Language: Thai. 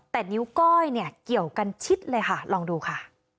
แต่นิ้วก้อยเนี่ยเกี่ยวกันชิดเลยค่ะลองดูค่ะ